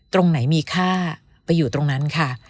ตรงไหนมีค่าไปอยู่ตรงนั้นค่ะ